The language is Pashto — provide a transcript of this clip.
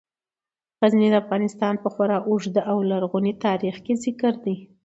غزني د افغانستان په خورا اوږده او لرغوني تاریخ کې ذکر دی.